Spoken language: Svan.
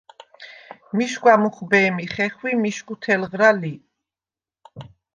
მიშგვა მუხვბე̄მი ხეხვი მიშგუ თელღრა ლი.